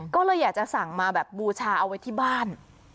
ก็เลยอยากจะสั่งมาแบบบูชาเอาไว้ที่บ้าน